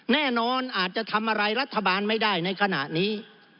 แน่นอนอาจจะทำอะไรรัฐบาลไม่ได้ในขณะนี้